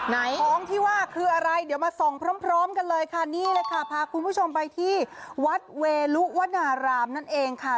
ของที่ว่าคืออะไรเดี๋ยวมาส่องพร้อมกันเลยค่ะนี่เลยค่ะพาคุณผู้ชมไปที่วัดเวลุวนารามนั่นเองค่ะ